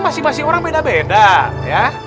masih masih orang beda beda ya